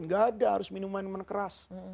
nggak ada harus minuman minuman keras